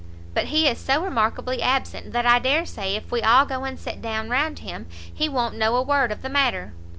but he is so remarkably absent, that I dare say if we all go and sit down round him, he won't know a word of the matter."